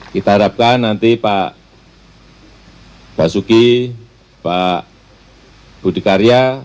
kita harapkan nanti pak basuki pak budi karya